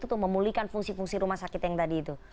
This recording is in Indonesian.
untuk memulihkan fungsi fungsi rumah sakit yang tadi itu